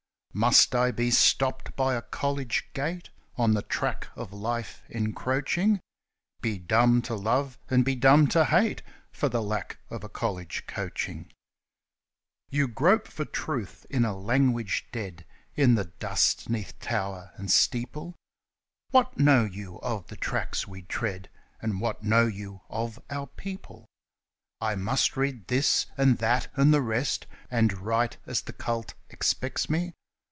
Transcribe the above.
Must I be stopped by a college gate On the track of Life encroaching ? Be dumb to Love, and be dumb to Hate, For the lack of a college coaching 1 m 112 THE UNCULTURED RHYMER You grope for Truth in a language dead In the dust 'neath tower and steeple ! What know you of the tracks we tread ? And what know you of our people 1 ' I must read this, and that, and the rest,' And write as the cult expects me